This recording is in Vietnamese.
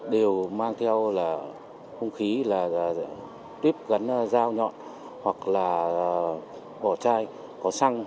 đều mang theo là không khí là tiếp gắn dao nhọn hoặc là bỏ chai có xăng